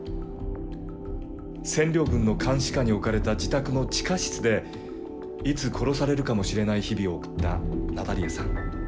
占領軍の監視下に置かれた自宅の地下室で、いつ殺されるかもしれない日々を送ったナタリヤさん。